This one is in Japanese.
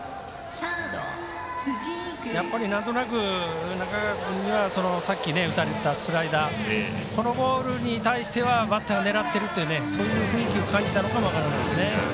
なんとなく、中川君にはさっき打たれたスライダー。このボールに対してはバッターは狙っているというそういう雰囲気を感じたのかも分からないですね。